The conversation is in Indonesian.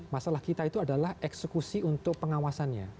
masalah kita itu adalah eksekusi untuk pengawasannya